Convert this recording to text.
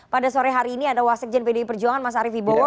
pada sore hari ini ada wasik jenderal pdi perjuangan mas ariefi bowo